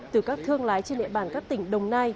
từ các thương lái trên địa bàn các tỉnh đồng nai